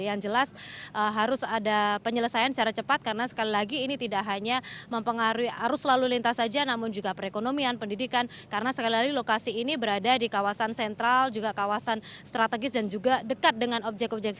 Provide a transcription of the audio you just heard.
yang jelas harus ada penyelesaian secara cepat karena sekali lagi ini tidak hanya mempengaruhi arus lalu lintas saja namun juga perekonomian pendidikan karena sekali lagi lokasi ini berada di kawasan sentral juga kawasan strategis dan juga dekat dengan objek objek